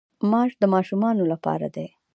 ماش د ماشومانو لپاره دي.